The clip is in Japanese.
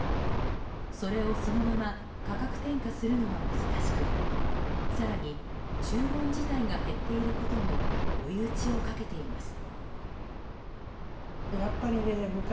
それをそのまま価格転嫁するのは難しく更に注文自体が減っていることも追い打ちをかけています。